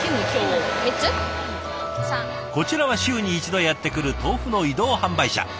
こちらは週に１度やって来る豆腐の移動販売車。